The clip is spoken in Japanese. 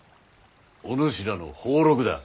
お主らの俸禄だ。